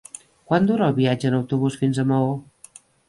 Quant dura el viatge en autobús fins a Maó?